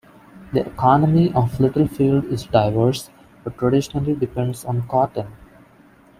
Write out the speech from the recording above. The economy of Littlefield is diverse but traditionally depends on cotton.